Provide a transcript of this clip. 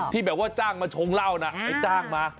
ที่แบบว่าจ้างมาชงเหล้านะไปจ้างมา